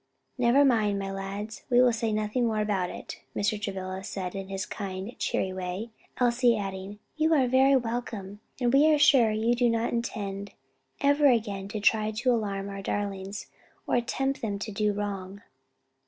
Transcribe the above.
"Never mind, my lads, we'll say nothing more about it," Mr. Travilla said in his kind, cheery way, Elsie adding, "You are very welcome, and we are sure you do not intend ever again to try to alarm our darlings, or tempt them to do wrong."